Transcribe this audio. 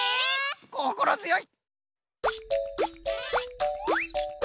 こころづよい！